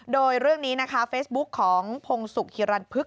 โดยเรื่องนี้นะคะเฟซบุ๊กของพงศุกร์ฮิรันพึก